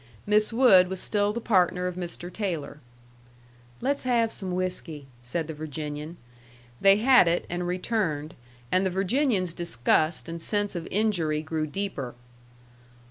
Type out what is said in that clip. Miss Wood was still the partner of Mr. Taylor. "Let's have some whiskey," said the Virginian. They had it, and returned, and the Virginian's disgust and sense of injury grew deeper.